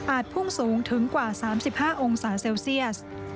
พุ่งสูงถึงกว่า๓๕องศาเซลเซียส